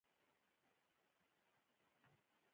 د اوبولګولو عصري سیستمونه رواج کیږي